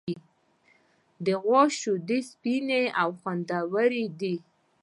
د غوا شیدې سپینې او خوندورې دي.